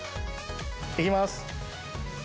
いきます。